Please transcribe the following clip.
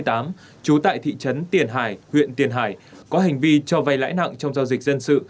trú tại thị trấn tiền hải huyện tiền hải có hành vi cho vay lãi nặng trong giao dịch dân sự